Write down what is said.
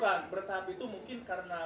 bukan bertahap itu mungkin karena